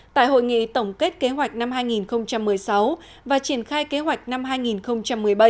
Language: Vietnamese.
tại hội nghị tổng kết kế hoạch năm hai nghìn một mươi sáu và triển khai kế hoạch năm hai nghìn một mươi bảy